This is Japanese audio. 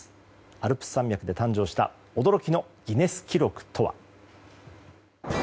アルプス山脈で誕生した驚きのギネス記録とは。